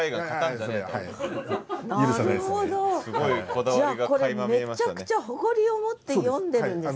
じゃあこれめっちゃくちゃ誇りを持って詠んでるんですね。